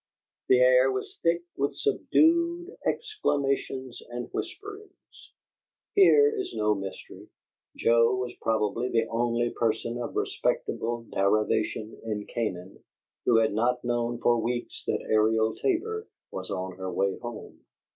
The air was thick with subdued exclamations and whisperings. Here is no mystery. Joe was probably the only person of respectable derivation in Canaan who had not known for weeks that Ariel Tabor was on her way home.